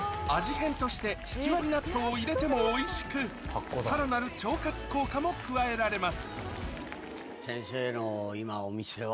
変としてひきわり納豆を入れてもおいしくさらなる腸活効果も加えられます